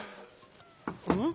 うん？